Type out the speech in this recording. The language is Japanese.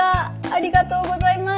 ありがとうございます。